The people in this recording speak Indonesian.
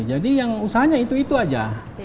jadi yang usahanya itu itu saja